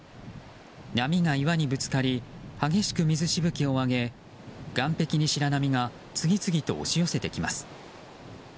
波が岩にぶつかり激しく水しぶきを上げ岸壁に白波が次々と押し寄せてきます。